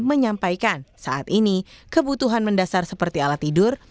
menyampaikan saat ini kebutuhan mendasar seperti alat tidur